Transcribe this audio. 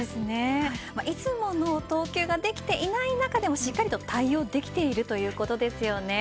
いつもの投球ができていない中でもしっかりと対応できているということですよね。